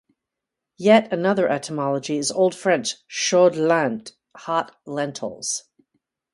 Yet another etymology is Old French "chaudes lentes", "hot lentils".